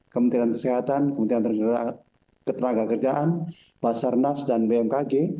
kementerian kesehatan kementerian keteragakkerjaan pasar nas dan bmkg